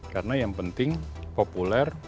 karena yang penting populer